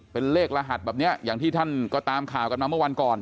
เป็นเลขรหัสแบบนี้อย่างที่ท่านก็ตามข่าวกันมาเมื่อวันก่อน